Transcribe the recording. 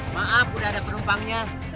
maaf udah ada penumpangnya